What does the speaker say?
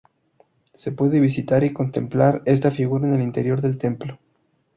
Se puede visitar y contemplar esta figura en el interior del templo.